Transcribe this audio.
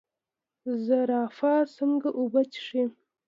زرافه څنګه اوبه څښي؟